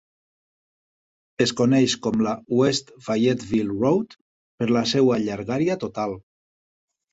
Es coneix com la "West Fayetteville Road" per la seva llargària total.